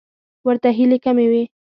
ورته هیلې کمې وې.